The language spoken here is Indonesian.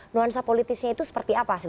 nuansa politisnya itu seperti apa sih